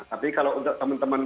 tapi kalau untuk teman teman